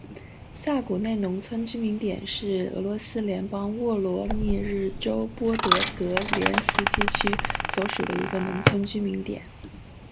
萨古内农村居民点是俄罗斯联邦沃罗涅日州波德戈连斯基区所属的一个农村居民点。